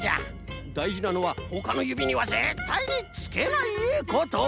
だいじなのはほかのゆびにはぜったいにつけないこと！